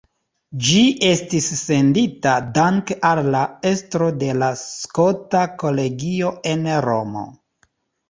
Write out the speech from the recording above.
Ĝi estis sendita danke al la estro de la Skota Kolegio en Romo.